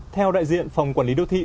theo đại diện phòng quản lý đô thị